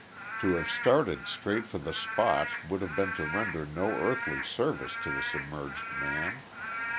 To have started straight for the spot would have been to render no earthly service to the submerged man.